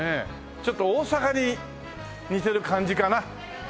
ちょっと大阪に似てる感じかな。